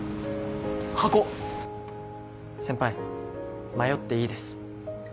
先輩迷っていいです。